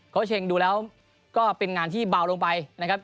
เขาเช็งดูแล้วก็เป็นงานที่เบาลงไปนะครับ